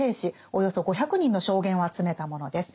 およそ５００人の証言を集めたものです。